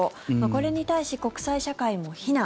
これに対し国際社会も非難。